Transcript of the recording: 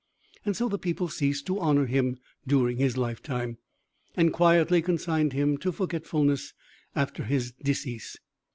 So the people ceased to honour him during his lifetime, and quietly consigned him to forgetfulness after his decease.